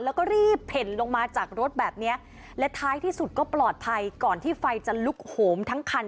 แล้วก็รีบเผ่นลงมาจากรถแบบเนี้ยและท้ายที่สุดก็ปลอดภัยก่อนที่ไฟจะลุกโหมทั้งคัน